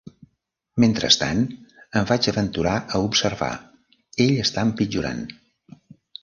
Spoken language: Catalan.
"Mentrestant", em vaig aventurar a observar, "ell està empitjorant".